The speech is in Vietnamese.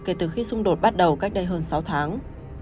kể từ khi xung đột bắt đầu cách đây hơn sáu tháng